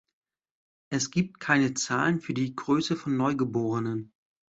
Es gibt keine Zahlen für die Größe von Neugeborenen.